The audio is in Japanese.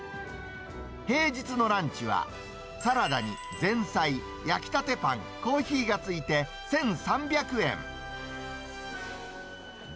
平日のランチは、サラダに前菜、焼きたてパン、コーヒーが付いて１３００円。